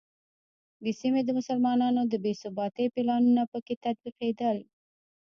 د سیمې د مسلمانانو د بې ثباتۍ پلانونه په کې تطبیقېدل.